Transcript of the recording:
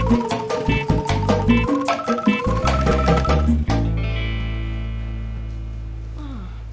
hai gak jadi hai